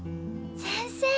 先生。